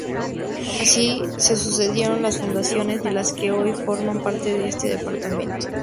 Así se sucedieron las fundaciones de las que hoy forman parte de este departamento.